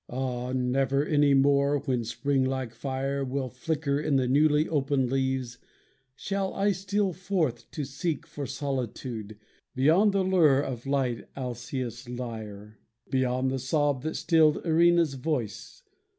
Ah never any more when spring like fire Will flicker in the newly opened leaves, Shall I steal forth to seek for solitude Beyond the lure of light Alcaeus' lyre, Beyond the sob that stilled Erinna's voice.